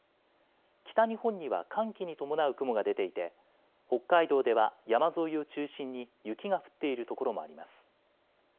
北日本には寒気に伴う雲が出ていて北海道では山沿いを中心に雪が降っている所もあります。